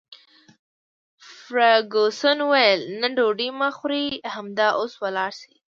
فرګوسن وویل: نه، ډوډۍ مه خورئ، همدا اوس ولاړ شئ.